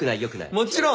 もちろん。